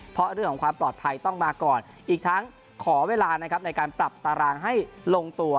เพราะเรื่องของความปลอดภัยต้องมาก่อนอีกทั้งขอเวลานะครับในการปรับตารางให้ลงตัว